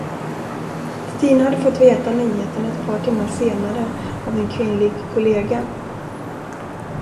Stina hade fått veta nyheten ett par timmar senare av en kvinnlig kollega.